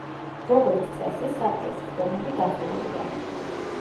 როგორც წესი, საბჭოს სხდომები დახურულია.